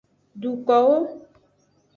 Dukowo.